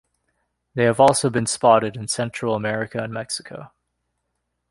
They have also been spotted in Central America and Mexico.